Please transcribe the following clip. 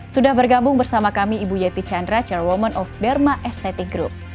sudah bergabung bersama kami ibu yeti chandra chairwoman of derma esteti group